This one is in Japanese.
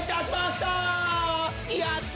やった！